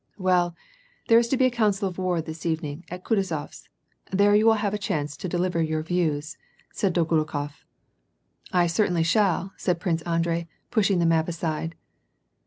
"Well, there is to be a council of war this evening at Kutu zoFs ; there you will have a chance to deliver your views," said Dolgorukof. "I certainly shall," said Prince Andrei, pushing the map aside.